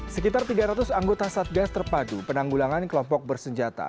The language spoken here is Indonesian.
sekitar tiga ratus anggota satgas terpadu penanggulangan kelompok bersenjata